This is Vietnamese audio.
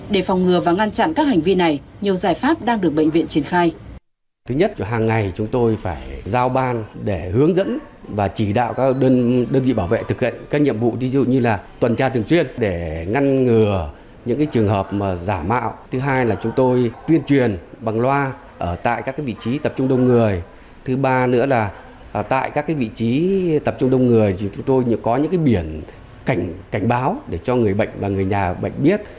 để phòng ngừa và ngăn chặn các hành vi này nhiều giải pháp đang được bệnh viện triển khai